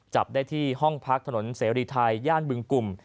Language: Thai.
จับได้ที่ห้องพักถนนเสรีไทยย่านบึงกลุ่ม